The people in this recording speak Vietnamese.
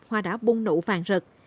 hoa đã bung nụ vàng rực